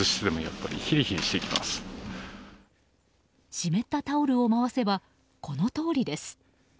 湿ったタオルを回せばこのとおりです。